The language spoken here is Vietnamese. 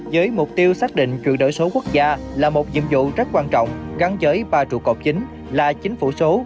với mục tiêu xác định chuyển đổi số quốc gia là một nhiệm vụ rất quan trọng gắn với ba trụ cột chính là chính phủ số